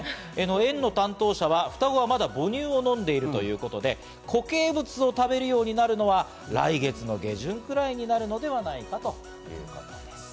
園の担当者は、双子はまだ母乳を飲んでいるということで固形物を食べるようになるのは来月の下旬くらいになるのではないかということです。